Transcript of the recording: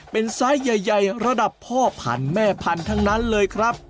เป็นไซส์ใหญ่ระดับพ่อพันธุ์แม่พันธุ์ทั้งนั้นเลยครับ